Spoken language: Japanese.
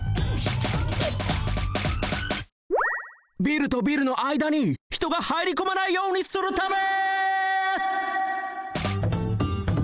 ビルとビルのあいだにひとが入りこまないようにするため！